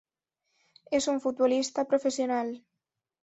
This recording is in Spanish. Es un futbolista profesional.